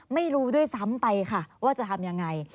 ไม่รู้ด้วยซ้ำไปค่ะว่าจะทำยังไง